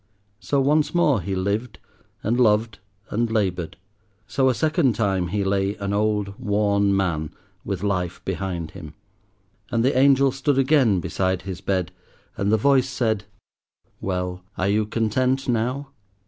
So once more he lived and loved and laboured. So a second time he lay an old, worn man with life behind him. And the angel stood again beside his bed; and the voice said, "Well, are you content now?"